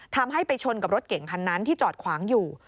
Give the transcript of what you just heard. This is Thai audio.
ทำให้ไปชนกับรถเก่งคันนั้นที่จอดขวางอยู่